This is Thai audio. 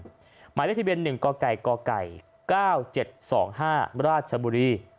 หมายเลขทะเบียน๑กก๙๗๒๕ราชบุรี